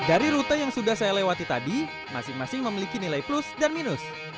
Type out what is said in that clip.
dari rute yang sudah saya lewati tadi masing masing memiliki nilai plus dan minus